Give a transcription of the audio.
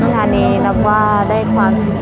ร้านนี้รับว่าได้ความคิดว่า